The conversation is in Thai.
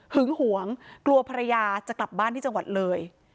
หึงหวงกลัวภรรยาจะกลับบ้านที่จังหวัดเลย